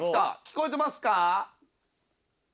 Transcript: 聞こえてますか？